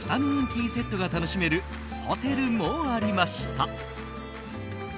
ティーセットが楽しめるホテルもありました。